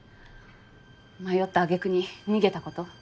迷ったあげくに逃げたこと。